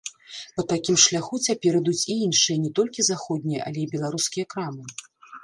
Па такім шляху цяпер ідуць і іншыя не толькі заходнія, але і беларускія крамы.